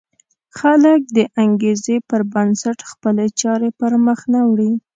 خلک د انګېزې پر بنسټ خپلې چارې پر مخ نه وړي.